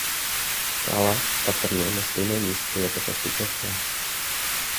Stála patrně na stejném místě jako ta současná.